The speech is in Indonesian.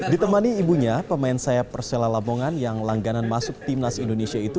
ditemani ibunya pemain sayap priscilla labongan yang langganan masuk tim nasi indonesia itu